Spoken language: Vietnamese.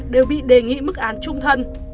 đều bị đề nghị mức án trung thân